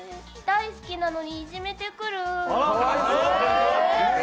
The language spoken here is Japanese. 大好きなのに、いじめてくる。